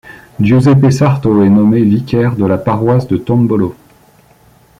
Giuseppe Sarto est nommé vicaire de la paroisse de Tombolo.